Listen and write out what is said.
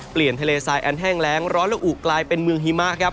เปลี่ยนทะเลทรายแอนด์แห้งแร้งร้อนและอู๋กลายเป็นเมืองหิมะครับ